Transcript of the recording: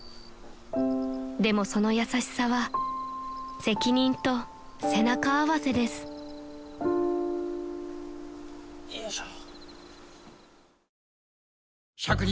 ［でもその優しさは責任と背中合わせです］よいしょ。